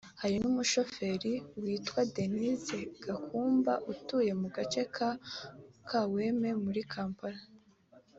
harimo n’umushoferi witwa Denis Gakumba utuye mu gace ka Kawempe muri Kampala